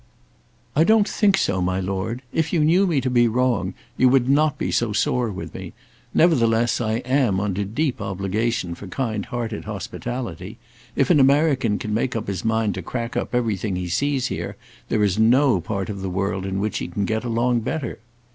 "I don't think so, my Lord. If you knew me to be wrong you would not be so sore with me. Nevertheless I am under deep obligation for kind hearted hospitality. If an American can make up his mind to crack up everything he sees here, there is no part of the world in which he can get along better."